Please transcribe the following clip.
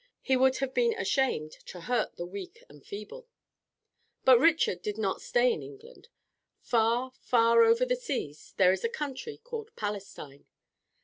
He would have been ashamed to hurt the weak and feeble. But Richard did not stay in England. Far, far over the seas there is a country called Palestine.